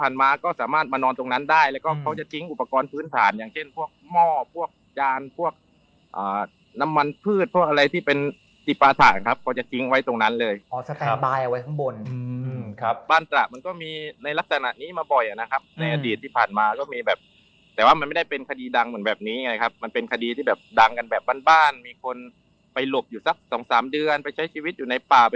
น้ำมันพืชเพราะอะไรที่เป็นสิบประสาทนะครับเขาจะทิ้งไว้ตรงนั้นเลยอ๋อไว้ข้างบนอืมครับบ้านตระมันก็มีในลักษณะนี้มาบ่อยอะนะครับในอาทิตย์ที่ผ่านมาก็มีแบบแต่ว่ามันไม่ได้เป็นคดีดังเหมือนแบบนี้ไงครับมันเป็นคดีที่แบบดังกันแบบบ้านบ้านมีคนไปหลบอยู่สักสองสามเดือนไปใช้ชีวิตอยู่ใน